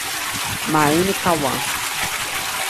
Marina e Cauã